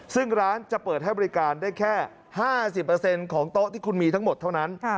ซึ่งร้านจะเปิดให้บริการได้แค่๕๐ของโต๊ะที่คุณมีทั้งหมดเท่านั้น